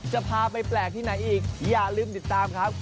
จะพาไปแปลกที่ไหนอีกอย่าลืมติดตามครับ